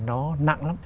nó nặng lắm